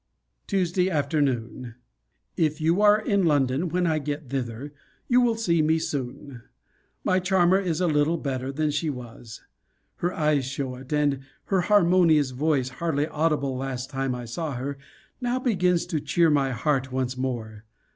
TUESDAY AFTERNOON. If you are in London when I get thither, you will see me soon. My charmer is a little better than she was: her eyes show it; and her harmonious voice, hardly audible last time I saw her, now begins to cheer my heart once more.